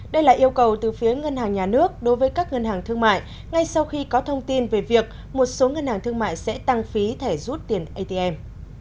đây là yêu cầu từ phía ngân hàng nhà nước đối với các ngân hàng thương mại ngay sau khi có thông tin về việc một số ngân hàng thương mại sẽ tăng phí thẻ rút tiền atm